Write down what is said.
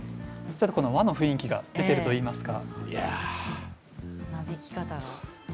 和の雰囲気が出ているといいますか。